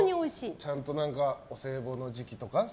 ちゃんとお歳暮の時期とか？